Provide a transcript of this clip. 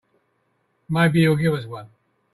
Maybe he'll give us one.